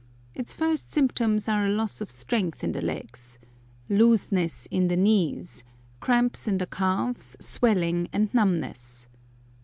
Its first symptoms are a loss of strength in the legs, "looseness in the knees," cramps in the calves, swelling, and numbness.